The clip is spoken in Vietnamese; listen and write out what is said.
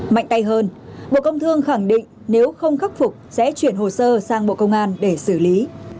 mạnh tay hơn bộ công thương khẳng định nếu không khắc phục sẽ chuyển hồ sơ sang bộ công an để xử lý